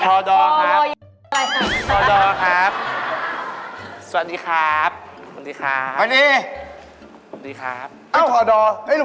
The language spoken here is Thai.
ทอดอร์ครับทอดอร์ครับสวัสดีครับสวัสดีครับสวัสดีครับ